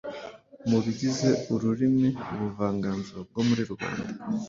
Mu bigize ururimi, ubuvanganzo bwo muri rubanda